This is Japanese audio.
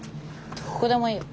どこでもいいよ。